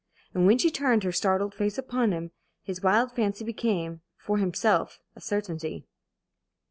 And when she turned her startled face upon him, his wild fancy became, for himself, a certainty.